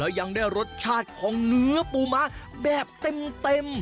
ยังได้รสชาติของเนื้อปูม้าแบบเต็ม